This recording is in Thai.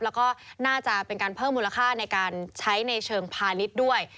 แล้วก็น่าจะเป็นการเพิ่มมูลค่าในการใช้ในเชิงพาณิชย์ด้วย